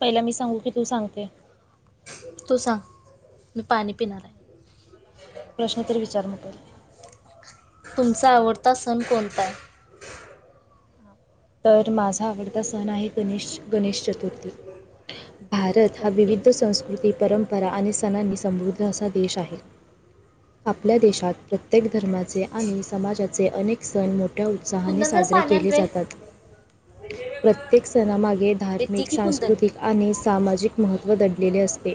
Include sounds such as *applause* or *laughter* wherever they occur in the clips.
पहिला मी सांगू? की तू सांगते? तू सांग. मी पाणी पिणार आहे. प्रश्न तरी विचार म पहिले. तुमचा आवडता सण कोणता आहे? तर माझा आवडता सण आहे गणेश- गणेश चतुर्थी. भारत हा ओके विविध संस्कृती परंपरा आणि सणांनी समृद्ध असा देश आहे. आपल्या देशात प्रत्येक धर्माचे आणि समाजाचे अनेक सण मोठ ठ्या उत्साहाने कुंदन जर साजरे पाणी आण केले रे जातात. प्रत्येक सणामागे येते धार्मिक, की कुंदन सांस्कृतिक, आणि सामाजिक महत्त्व दडलेले असते.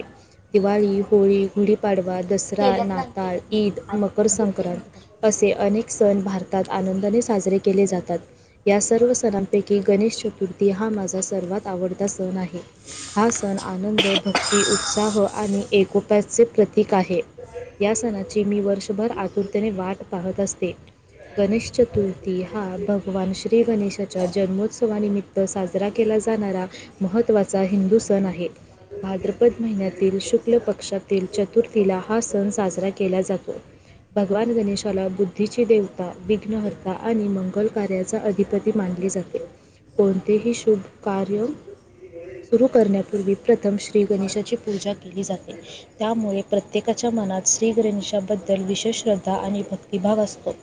दिवाळी, होळी, गुढीपाडवा, दस रा, तेल्यात ना नाताळ, तेल्यात ना ईद, मकर अरे बोलते संक्रांत नंतर असे अनेक सण भारतात आनंदाने साजरे केले जातात. या सर्व सणांपैकी गणेश चतुर्थी हा माझा सर्वात आवडता सण आहे. हा सण आनंद, भक्ती, उत्साह आणि एकोप्याचे प्रतीक आहे. या सणाची मी वर्षभर आतुरतेने वाट पाहत असते. गणेशचतुर्थी हा भगवान श्री गणेशा च्या जन्मोत्सवानिमित्त साजरा केला जाणारा महत्त्वाचा हिंदू सण आहे. भाद्रपद महिन्यातील शुक्ल पक्षातील चतुर्थीला हा सण साजरा केला जातो. भगवान गणेशाला बुद्धीची देवता, विघ्नहर्ता आणि मंगल कार्याचा अधिपती मानली जाते. कोणतेही शुभ कार्य सुरू करण्यापूर्वी, प्रथम श्री गणेशाची पूजा केली जाते. त्यामुळे प्रत्येकाच्या मनात श्री गणेशाबद्दल विशेष श्रद्धा आणि भक्तिभाव असतो.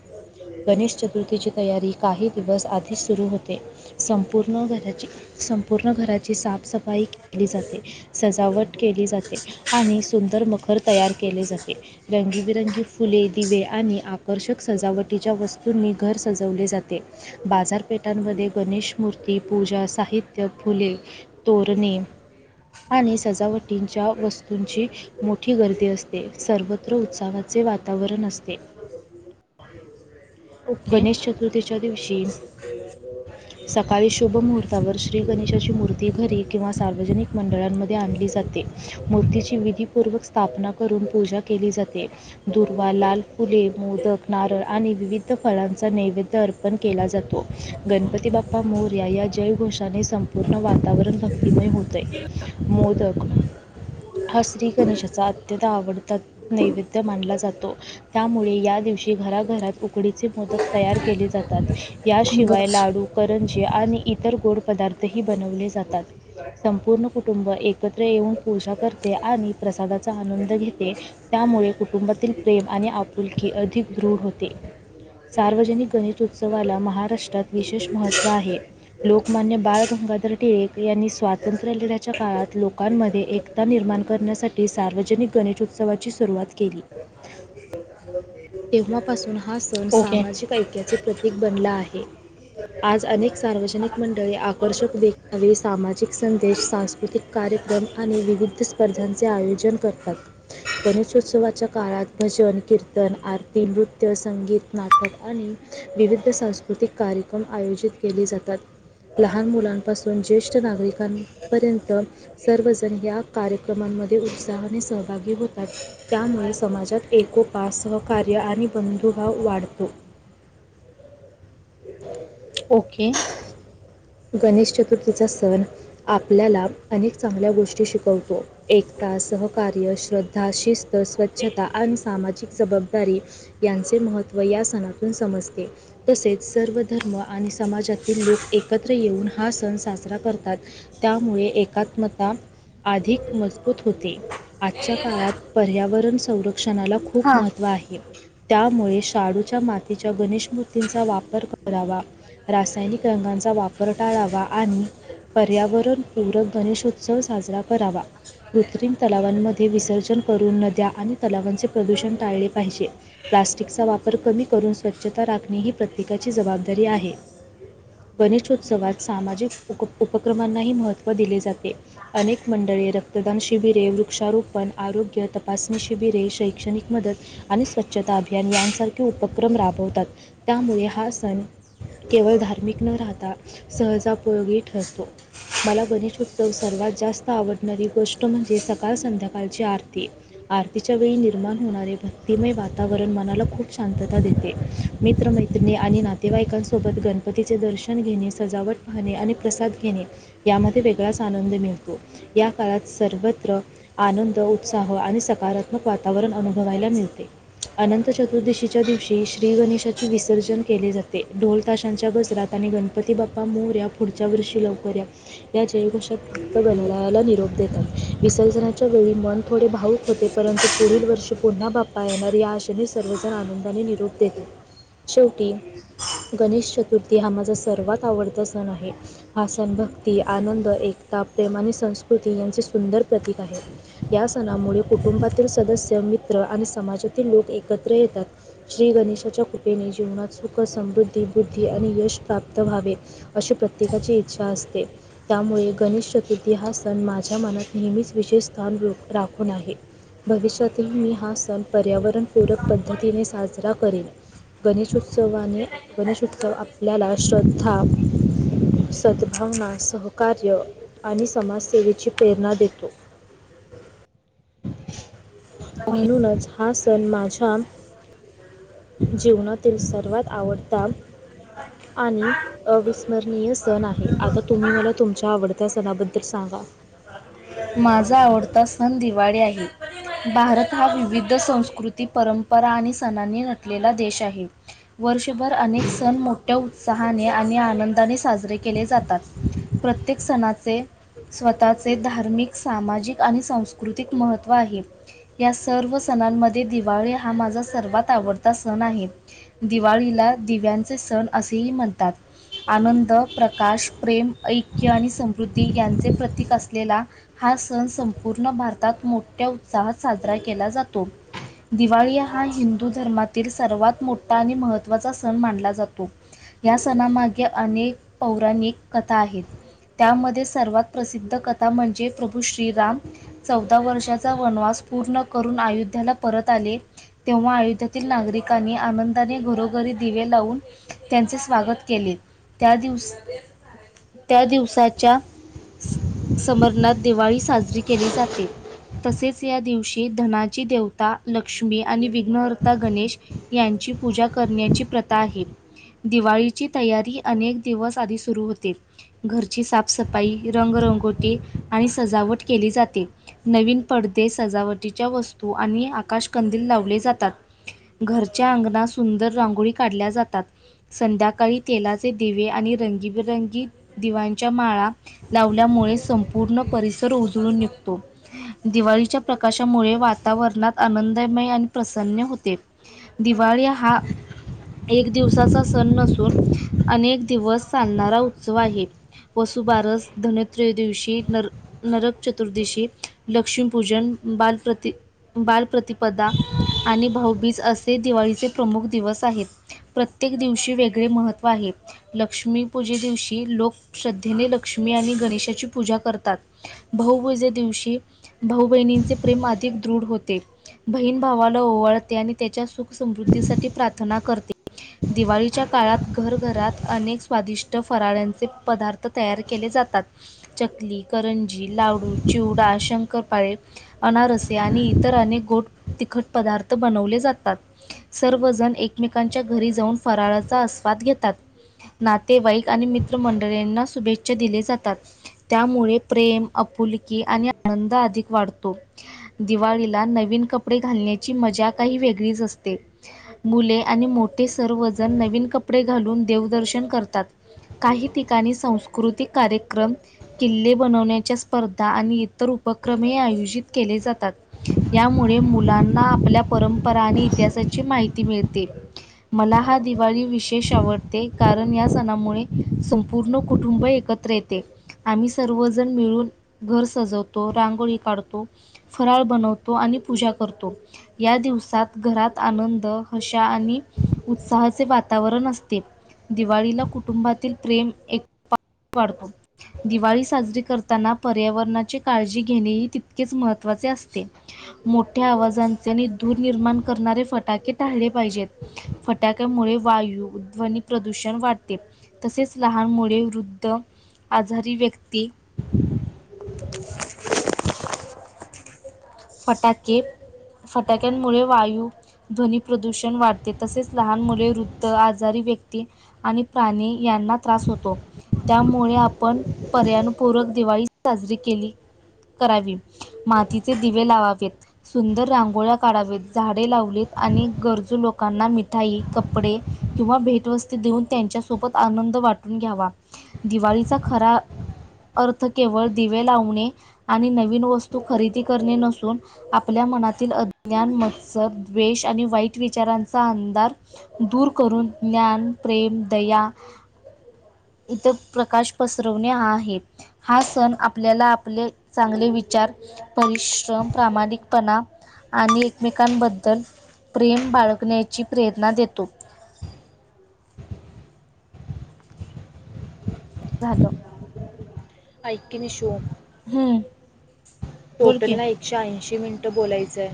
गणेश चतुर्थीची तयारी काही दिवस आधीच सुरू होते. संपूर्ण घराची संपूर्ण घराची साफसफाई केली जाते. सजावट केली जाते. आणि सुंदर मखर तयार केले जाते. रंगीबिरंगी फुले, दिवे आणि आकर्षक सजावटीच्या वस्तूंनी घर सजवले जाते. ते बाजारपेठांमध्ये गणेश मूर्ती, पूजा साहित्य, फुले तोरणे आणि सजावटींच्या वस्तूंची मोठी गर्दी असते. सर्वत्र उत्साहाचे वातावरण असते. *inaudible* ओके गणेश चतुर्थीच्या दिवशी *unintelligible* सकाळी शुभ मुहूर्तावर श्री गणेशाची मूर्ती घरी किंवा सार्वजनिक मंडळांमध्ये आणली जा ते. मूर्तीची विधी पूर्वक स्थापना करून पूजा केली जाते. दुर्वा, लाल फुले, मोदक, नारळ आणि विविध फळांचा नैवेद्य अर्पण केला जातो. गणपती बाप्पा मोरया या जयघोषाने संपूर्ण वातावरण भक्तिमय होतय. मोदक, हा श्रीगणेशाचा अत्यंत आवडता नैवेद्य मानला जातो. त्यामुळे या दिवशी घराघरात उकडीचे मोदक तयार केले जातात. बर याशिवाय लाडू, करंजी आणि इतर गोड पदार्थही बनवले जातात. संपूर्ण कुटुंब एकत्र येऊन पूजा करते आणि प्रसादाचा आनंद घेते. त्यामुळे कुटुंबातील प्रेम आणि आपुलकी अधिक दृढ होते. सार्वजनिक गणेशउस्तवाला महाराष्ट्रात विशेष महत्त्व आहे. लोकमान्य बाळ गंगाधर टिळक यांनी स्वातंत्र्य लिण्याच्या काळात लोकांमध्ये एक ता निर्माण करण्यासाठी सार्वजनिक गणेशोत्सवाची सुरुवात केली. *unintelligible* तेव्हापासून हा सण ओके सामाजिक ऐक्याचे प्रतीक बनला आहे. आज अनेक सार्वजनिक मंडळी आकर्षक देखावे, सामाजिक संदेश सास कृतिक कार्यक्रम आणि विविध स्पर्धांचे आयोजन करतात. गणेशोत्सवाच्या काळात भजन, कीर्तन, आरती, नृत्य, संगीत, नाटक आणि विविध सांस्कृतिक कार्यक्रम आयोजित केले जातात. लहान मुलांपासून ज्येष्ठ नागरिकांपर्यंत सर्वजण या कार्यक्रमांमध्ये उत्साहाने सहभागी होतात. त्यामुळे समाजात एकोपास, सहकार्य आणि बंधुभाव वाढतो. *unintelligible* ओके. गणेश चतुर्थीचा सण आपल्याला अनेक चांगल्या गोष्टी शिकवतो. एकता, सहकार्य, श्रद्धा, शिस्त, ओके स्वच्छता आणि सामाजिक जबाबदारी यांचे महत्त्व या सणातून समजते. तसेच सर्व धर्म आणि समाजातील लोक एक एकत्र येऊन हा सण साजरा करतात. त्यामुळे, एकात्मता अधिक मजबूत होते. आजच्या काळात पर्यावरण संर शिक्षणाला खूप हां महत्त्व आहे. त्यामुळे शाडूच्या मातीच्या गणेश मूर्तींचा वापर करावा. रासायनिक रंगांचा *unintelligible* वापर टाळावा आणि पर्यावरणपूरक, गणेशोत्सव साजरा करावा. कृत्रिम तलावांमध्ये, विसर्जन करून, नद्या आणि तलावांचे प्रदूषण, टाळले पाहिजे. प्लास्टिकचा वापर कमी करून, स्वच्छता राखणे, ही प्रत्येकाची जबाबदारी आहे. गणेशोत्सवात सामाजिक, उप-उपक्रमांनाही महत्त्व दिले जाते. अनेक मंडळे, रक्तदान शिबिरे, वृक्षारोपण, आरोग्य तपासणी शिबिरे, शैक्षणिक मदत आणि स्वच्छता अभियान, यांसारखे उपक्रम राबवतात. त्यामुळे, हा सण, केवळ धार्मिक न राहता, सहजा उपयोगी ठरतो. मला गणेश उत्सव, सर्वात जास्त आवडणारी गोष्ट, म्हणजे सकाळ संध्याकाळची आरती. आरतीच्या वेळी निर्माण होणारे, भक्तिमय वातावरण, मनाला खूप शांतता देते. मित्रमैत्रिणी आणि नातेवाईकांसोबत गणपती चे दर्शन घेणे, सजावट पाहणे आणि प्रसाद घेणे, यामध्ये वेगळाच आनंद मिळतो. या काळात सर्वत्र आनंद उत्साह आणि सकारात्मक वातावरण, अनुभवायला मिळते. अनंत चतुर्दशीच्या दिवशी, श्री गणेशाचे विसर्जन केले जाते, ढोल ताशांच्या गज रात आणि गणपती बाप्पा मोरया, पुढच्या वर्षी लवकर या, या जयघोषात ते गणरायाला निरोप देतात, विसर्जनाच्या वेळी, मन थोडे भावुक होते, परंतु पुढील वर्षी, पुन्हा बाप्पा येणार, या आशेने सर्वजण, आनंदाने निरोप देता. शेवटी गणेश चतुर्थी, हा माझा सर्वात आवडता, सण आहे. हां सण भक्ती, आनंद, एकता, प्रेम आणि संस्कृती यांचे सुंदर प्रतीक आहे. या सणामुळे कुटुंबातील सदस्य, मित्र आणि समाजातील लोक, एकत्र येतात. श्री गणेशाच्या कृपेने, जीवनात सुख-समृद्धी, बुद्धी आणि यश प्राप्त व्हावे, अशी प्रत्येकाची इच्छा असते. त्यामुळे गणेश चतुर्थी, हा सण माझ्या मनात, नेहमीच विशेष स्थान, रो-राखून आहे. भविष्यातही, मी हा सण, पर्यावरणपूरक पद्धतीने, साजरा करेन. गणेशोत्सवाने- गणेशोत्सव आपल्याला, श्रद्धा सद्भावना, सहकार्य आणि समाजसेवेची, प्रेरणा देतो. ? *unintelligible* म्हणूनच हा, सण माझ्या, जीवनातील सर्वात आवडता आणि अविस्मरणीय सण आहे, आता तुम्ही मला, तुमच्या आवडत्या सणाबद्दल, सांगा. माझा आवडता सण, दिवाळी आहे. भारत हा विविध संस्कृती, परंपरा आणि सणांनी नटलेला देश आहे. वर्षभर अनेक सण, मोठ्या उत्साहाने आणि आनंदाने साजरे केले जातात. प्रत्येक सणाचे, स्वतःचे धार्मिक सामाजिक आणि संस्कृतिक महत्त्व, आहे. या सर्व सणांमध्ये, दिवाळी हा माझा, सर्वात आवडता सण आहे. दिवाळीला 'दिव्यांचे सण' असेही म्हणतात. आनंद प्रकाश, प्रेम, ऐक्य आणि समृद्धी, यांचे प्रतीक असलेला हां सण, संपूर्ण भारतात, मोठ्या उत्साहात, साजरा केला जातो. दिवाळी हा हिंदू धर्मातील, सर्वात मोठा आणि महत्त्वाचा सण, मानला जातो. या सणामागे, अनेक पौराणिक कथा आहेत. त्यामध्ये, सर्वात प्रसिद्ध कथा, म्हणजे प्रभू श्रीराम चौदा वर्षाचा, वनवास पूर्ण करून, आयोध्याला परत आले. तेव्हा आयोध्यातील नागरिकांनी, आनंदाने, घरोघरी दिवे लावून त्यांचे स्वागत केले, त्या दिवस त्या दिवसाच्या समरनाथ दिवाळी साजरी केली जाते. तसेच, या दिवशी धनाची देवता लक्ष्मी आणि विघ्नहर्ता गणेश यांची पूजा करण्याची प्रथा आहे. दिवाळीची तयारी अनेक दिवस आधी सुरू होते. घरची साफसफाई, रंगरंगोटी आणि सजावट केली जाते. नवीन पडदे, सजावटीच्या वस्तू आणि आकाशकंदील लावले जातात. घरच्या अंगणात सुंदर रांगोळी काढल्या जातात. संध्याकाळी तेलाचे दिवे आणि रंगीबिरंगी दिवांच्या माळा लावल्यामुळे संपूर्ण परिसर उजळून निघतो. दिवाळीच्या प्रकाशामुळे वातावरणात आनंदमय आणि प्रसन्न होते. दिवाळी हा एक दिवसाचा सण नसून अनेक दिवस चालणारा उत्सव आहे. वसुबारस, धनत्रयोदिवशी नर नरक चतुर्दशी, लक्ष्मीपूजन बाल प्रति बालप्रतिपदा आणि भाऊबीज असे दिवाळीचे प्रमुख दिवस आहेत. प्रत्येक दिवशी वेगळे महत्त्व आहे. लक्ष्मी पूजे दिवशी लोक श्रद्धेने लक्ष्मी आणि गणेशाची पूजा कर तात. भाऊबीजे दिवशी भाऊ बहिणींचे प्रेम अधिक दृढ होते. बहीण भावाला ओवळते आणि त्याच्या सुख समृद्धीसाठी प्रार्थना करते. दिवाळीच्या काळात घर-घरात अनेक स्वादिष्ट फराळ्यांचे पदार्थ तयार केले जातात. चकली, करंजी, लाडू, चिवडा, शंकरपाळे अनारसे आणि इतर अनेक गोट, तिखट पदार्थ बनवले जातात. सर्वजण एकमेकांच्या घरी जाऊन, फराळाचा आस्वाद घेतात. नातेवाईक आणि मित्रमंडळींना शुभेच्छा दिल्या जातात त्यामुळे प्रेम, आपुलकी आणि आनंद अधिक वाढतो. दिवाळीला नवीन कपडे घालण्याची मजा काही वेगळीच असते. मुले आणि मोठे सर्वजण नवीन कपडे घालून देवदर्शन करतात. काही ठिकाणी सांस्कृतिक कार्यक्रम किल्ले बनवण्याच्या स्पर्धा आणि इतर उपक्रमे आयोजित केले जातात. यामुळे मुलांना आपल्या परंपरा आणि इतिहासाची माहिती मिळते. मला हा दिवाळी विशेष आवडते, कारण या सणामुळे संपूर्ण कुटुंब एकत्र येते. आम्ही सर्वजण मिळून घर सजवतो, रांगोळी काढतो. फराळ बनवतो आणि पूजा करतो. या दिवसात घरात आनंद, हशा आणि उत्साहाचे वातावरण असते, दिवाळीला कुटुंबातील प्रेम *unintelligible* दिवाळी साजरी करताना पर्यावरणाची काळजी घेणेही तितकेच महत्वाचे असते. मोठ्या आवाजांचे आणि दूर निर्माण करणारे फटाके टाळले पाहिजेत. फटाक्यामुळे वायू, ध्वनी प्रदूषण वाढते. तसेच लहान मुले, वृद्ध, आजारी व्यक्ती ती *unintelligible* फटाके फटाक्यांमुळे वायू ध्वनी प्रदूषण वाढते, तसेच लहान मुले, वृद्ध, आजारी व्यक्ती आणि प्राणी यांना त्रास होतो, त्यामुळे आपण पर्यानुपूरक दिवाळी साजरी केली करावी. मातीचे दिवे लावावेत. सुंदर रांगोळ्या काढाव्यात, झाडं लावलीत आणि गरजू लोकांना मिठाई, कपडे किंवा भेटवस्तू देऊन त्यांच्यासोबत आनंद वाटून घ्यावा, दिवाळीचा खरा. अर्थ केवळ दिवे लावणे आणि नवीन वस्तू खरेदी करणे नसून आपल्या मनातील अज्ञान, मत्सर, द्वेष आणि वाईट विचारांचा अंधार दूर करून ज्ञान, प्रेम, दया इथं प्रकाश पसरवणे आहेत. हा सण आपल्याला आपले चांगले विचार परिश्रम, प्रामाणिकपणा आणि एकमेकांबद्दल प्रेम बाळगण्याची प्रेरणा देतो. झालं. बायकीन शो. हम. टोटलला एकशे ऐंशी मिनिटं बोलायचं आहे.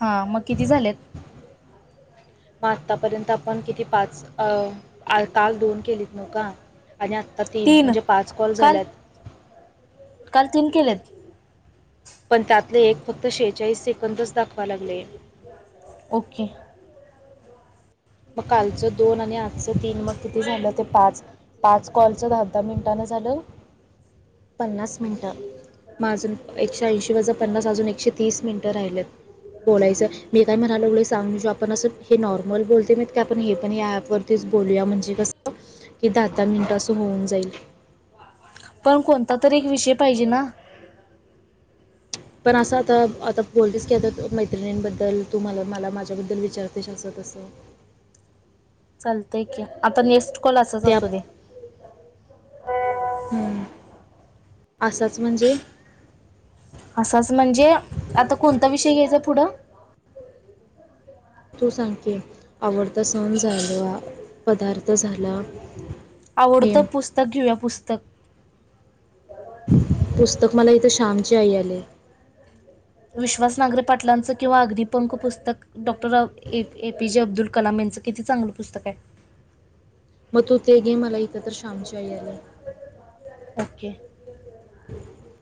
हा, मग किती झालेत? मग आतापर्यंत आपण किती पाच? काल दोन केलेत. नका, आणि आत्ता तीन, म्हणजे पाच कॉल काल झाल्यात. काल तीन केलेत? पण त्यातले एक फक्त शेहेचाळीस सेकंदच दाखवलं लागले. ओके. मग कालचं दोन आणि आजचं तीन, मग किती झालं ते? पाच. पाच कॉलचं दहा-दहा मिनिटांन झालं, पन्नास मिनिटं मग अजून. एकशे ऐंशी वजून पन्नास अजून एकशे तीस मिनिटं राहिलेत. बोलायचं मी काय म्हणायला लागलं, सांग. आपण असं हे नॉर्मल बोल इथं आपण हे पण या ॲपवरतीच बोलूया, म्हणजे कसं की दहा-दहा मिनिटं असं होऊन जाईल. पण कोणता तरी एक विषय पाहिजे ना. पण असं आता-आता बोलतेच का मैत्रिणींबद्दल तू मला, मला माझ्याबद्दल विचारतेस असं. तसं चालतंय की आता, नेक्स्ट कॉल असंच त्या असू दे. हम्म, असंच म्हणजे. असंच म्हणजे आता कोणता विषय घ्यायचा पुढं? तू सांग की, आवडता सण झाला, पदार्थ झाला. हे आवडतं पुस्तक घेऊया, पुस्तक. पुस्तक मला इथे 'श्यामची आई' आलं. विश्वास नागरे पाटलांचं किंवा 'अग्निपंख' पुस्तक. Doctor A. P. J. Abdul Kalam यांचं किती चांगलं पुस्तक आहे. मग तू ते घे. मला इथं तर 'श्यामची आई' आलं. ओके. *inaudible*